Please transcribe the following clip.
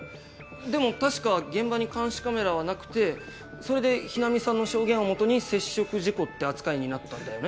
でも確か現場に監視カメラはなくてそれで日菜美さんの証言をもとに接触事故って扱いになったんだよね？